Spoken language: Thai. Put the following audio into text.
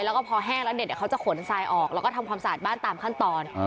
แล้วก็พอแห้งแล้วเด็ดเดี๋ยวเขาจะขนทรายออกแล้วก็ทำความสะอาดบ้านตามขั้นตอน